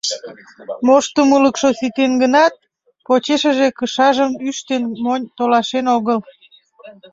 Моштымылыкшо ситен гынат, почешыже кышажым ӱштын монь толашен огыл.